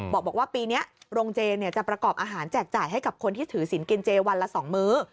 บอกว่าปีนี้โรงเจจะประกอบอาหารแจกจ่ายให้กับคนที่ถือศิลปกินเจวันละ๒มื้อ